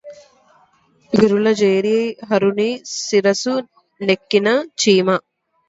విరుల జేరి హరుని శిరసు నెక్కిన చీమ